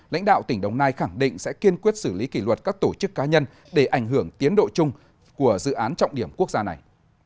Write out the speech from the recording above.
lãnh đạo tỉnh đồng nai khẳng định sẽ kiên quyết xử lý kỷ luật các tổ chức cá nhân để ảnh hưởng tiến độ chung của dự án trọng điểm quốc gia này